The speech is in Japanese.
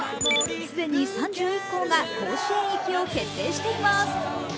既に３１校が甲子園行きを決定しています。